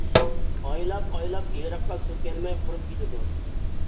ئايلاپ-ئايلاپ ئېرىققا سۇ كەلمەي، قۇرۇپ كېتىدۇ.